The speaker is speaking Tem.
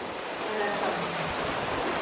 La dasam.